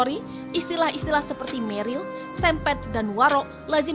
dia sambil merokok